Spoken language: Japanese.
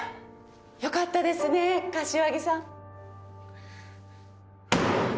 よかったですね柏木さん。